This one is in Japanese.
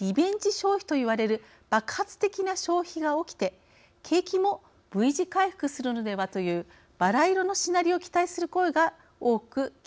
消費といわれる爆発的な消費が起きて景気もＶ字回復するのではというバラ色のシナリオを期待する声が多く聞かれました。